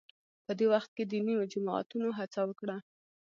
په دې وخت کې دیني جماعتونو هڅه وکړه